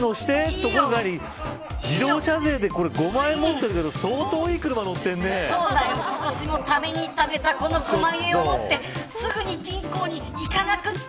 ところで自動車税で５万円持ってるけど今年もためにためたこの５万円を持ってすぐに銀行に行かなくちゃ。